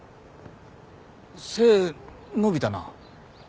背伸びたな。